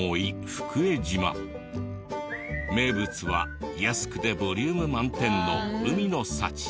名物は安くてボリューム満点の海の幸。